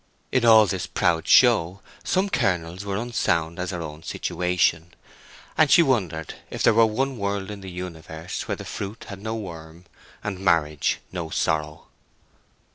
In all this proud show some kernels were unsound as her own situation, and she wondered if there were one world in the universe where the fruit had no worm, and marriage no sorrow.